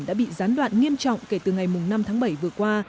đã bị gián đoạn nghiêm trọng kể từ ngày năm tháng bảy vừa qua